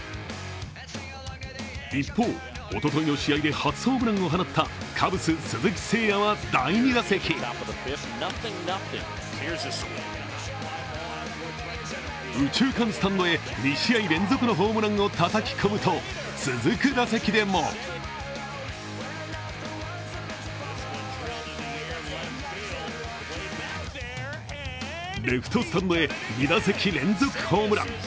一方、おとといの試合で初ホームランを放ったカブス・鈴木誠也は第２打席右中間スタンドへ２試合連続のホームランをたたき込むと続く打席でもレフトスタンドへ２打席連続ホームラン。